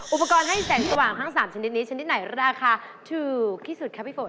อุปกรณ์ให้แสงสว่างทั้ง๓ชนิดนี้ชนิดไหนราคาถูกที่สุดครับพี่ฝน